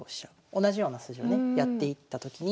同じような筋をねやっていったときに。